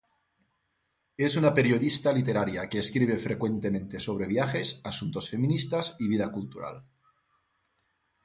Es una periodista literaria que escribe frecuentemente sobre viajes, asuntos feministas y vida cultural.